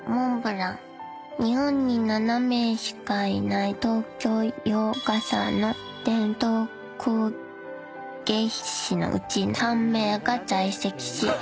［日本に７名しかいない東京洋傘の伝統工芸士のうち３名が在籍し］